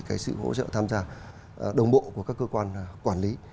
cái sự hỗ trợ tham gia đồng bộ của các cơ quan quản lý